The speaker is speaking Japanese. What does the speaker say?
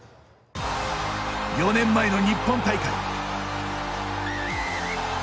４年前の日本大会。